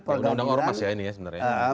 pakai undang undang ormas ya ini ya sebenarnya